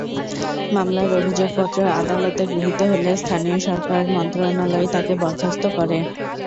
মামলার অভিযোগপত্র আদালতে গৃহীত হলে স্থানীয় সরকার মন্ত্রণালয় তাঁকে বরখাস্ত করে।